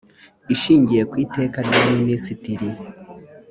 ishingiye ku iteka rya minisitiri